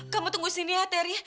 kamu tunggu sini ya teri